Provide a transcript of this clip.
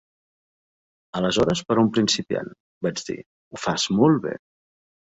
"Aleshores, per a un principiant", vaig dir, "ho fas molt bé".